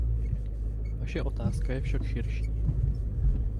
Vaše otázka je však širší.